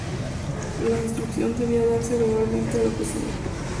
La instrucción debía darse verbalmente a la oficialidad.